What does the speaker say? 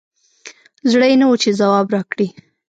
زړه یي نه وو چې ځواب راکړي